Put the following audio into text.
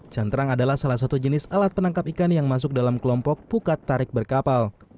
cantrang adalah salah satu jenis alat penangkap ikan yang masuk dalam kelompok pukat tarik berkapal